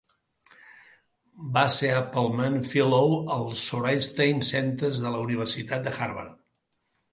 Va ser Appleman Fellow al Shorenstein Center de la universitat de Harvard.